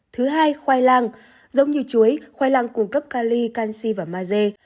thứ hai khoai lang giống như chuối khoai lang cung cấp cali canshi và maze